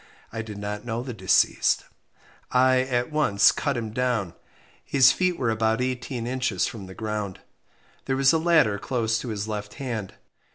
I did not know the deceased. I at once cut him down. His feet were about 18 inches from the ground. There was a ladder close to his left hand.